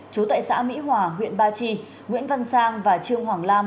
chú tại xã mỹ hòa huyện ba chi nguyễn văn sang và trương hoàng lan